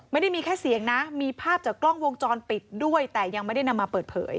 ไม่ได้มีแค่เสียงนะมีภาพจากกล้องวงจรปิดด้วยแต่ยังไม่ได้นำมาเปิดเผย